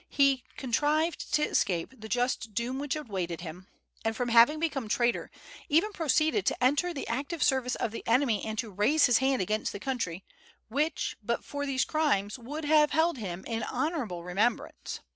He contrived to escape the just doom which awaited him, and, from having become traitor, even proceeded to enter the active service of the enemy and to raise his hand against the country which, but for these crimes, would have held him in honorable remembrance.